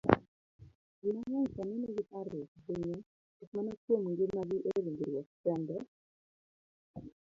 Ji mang'eny sani nigi parruok ahinya, ok mana kuom ngimagi e ringruok kende,